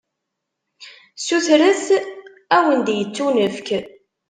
Sutret, ad wen-d-ittunefk!